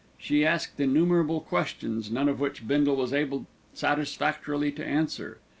She asked innumerable questions, none of which Bindle was able satisfactorily to answer.